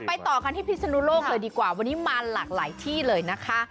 ต่อกันที่พิศนุโลกเลยดีกว่าวันนี้มาหลากหลายที่เลยนะคะ